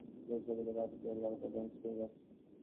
দেশ, সভ্যতা, প্রাধান্য ওলটপালট হয়ে যাচ্চে।